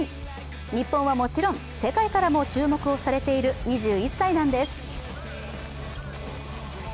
日本はもちろん、世界からも注目をされている２１歳なんです。